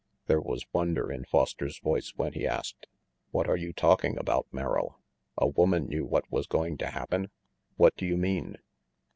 There was wonder in Foster's voice when he asked : "What are you talking about, Merrill? A woman knew what was going to happen? What do you mean?"